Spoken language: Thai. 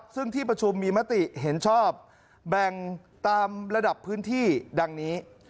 ซึ่งที่ประชุมมีมติเห็นชอบแบ่งตามระดับพื้นที่ดังนี้